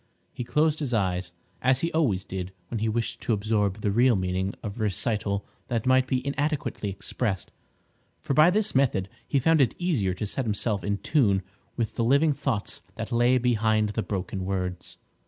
He closed his eyes, as he always did when he wished to absorb the real meaning of a recital that might be inadequately expressed, for by this method he found it easier to set himself in tune with the living thoughts that lay behind the broken words.